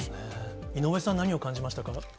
井上さん、何を感じましたか？